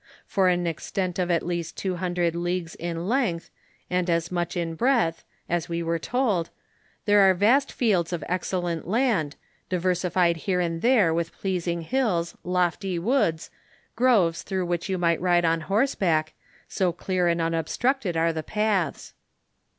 For an extent of at least two hundred leagues in length, and as much in breadth, as we were told, there are vast fields of excellent land, diversi fied here and there with pleasing hills, lofty woods, groves through which you might ride on horseback, so clear and unobstructed are the paths.